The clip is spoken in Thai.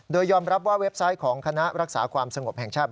โดยยอมรับว่าเว็บไซต์ของคณะรักษาความสงบแห่งชาติ